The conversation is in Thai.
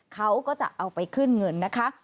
เขาก็จะเอาไปขึ้นเงินนะคะ